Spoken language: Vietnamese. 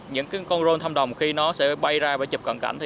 những con rôn thăm đồng khi nó sẽ bay ra và chụp cận cảnh